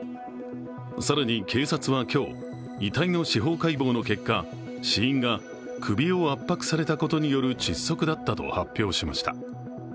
更に、警察は今日、遺体の司法解剖の結果死因が首を圧迫されたことによる窒息だったと発表しました。